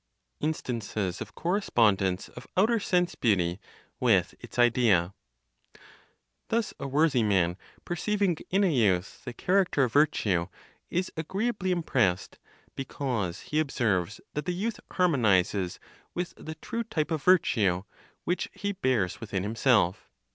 INSTANCES OF CORRESPONDENCE OF OUTER SENSE BEAUTY WITH ITS IDEA. Thus a worthy man, perceiving in a youth the character of virtue, is agreeably impressed, because he observes that the youth harmonizes with the true type of virtue which he bears within himself.